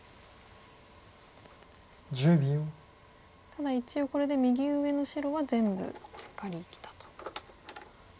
ただ一応これで右上の白は全部しっかり生きたと。